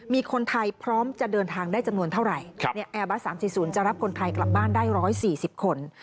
มีคนไทยพร้อมจะเดินทางได้จำนวนเท่าไหร่แอร์บัส๓๔๐จะรับคนไทยกลับบ้านได้๑๔๐คน